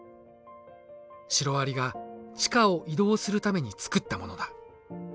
シロアリが地下を移動するために作ったものだ。